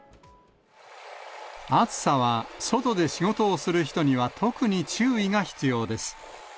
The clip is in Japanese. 暑さは外で仕事をする人には、特に注意が必要です。